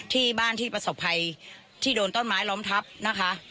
ที่บ้านที่ประสบภัยที่โดนต้นไม้ล้อมทับนะคะ